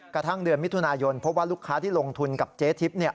กระทั่งเดือนมิถุนายนพบว่าลูกค้าที่ลงทุนกับเจ๊ทิพย์